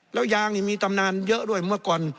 แล้วยางนี่มีตำนานเยอะด้วยเมื่อก่อน